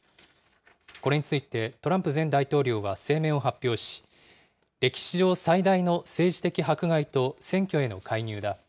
これについて、トランプ前大統領は声明を発表し、歴史上最大の政治的迫害と選挙への介入だ。